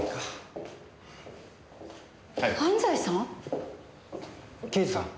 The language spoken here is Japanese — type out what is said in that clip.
安西さん？